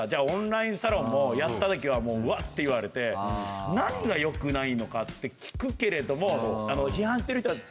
オンラインサロンもやったときはうわって言われて何が良くないのかって聞くけれども。